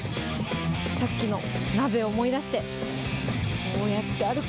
さっきの鍋を思い出して、こうやって歩く。